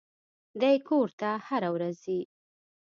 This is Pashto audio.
دى کور ته هره ورځ ځي.